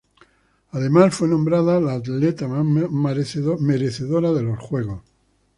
Además, fue nombrada la atleta más merecedora de los Juegos.